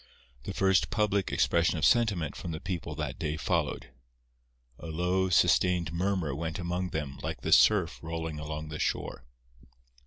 The first public expression of sentiment from the people that day followed. A low, sustained murmur went among them like the surf rolling along the shore.